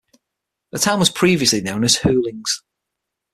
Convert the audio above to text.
The town was previously known as Hulings.